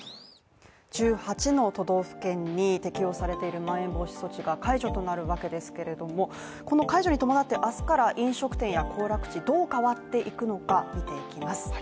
１８の都道府県に適用されているまん延防止措置が解除となるわけですが、この解除に伴って明日から飲食店や行楽地、どう変わっていくのか見ていきます。